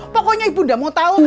pokoknya ibu nggak mau tahu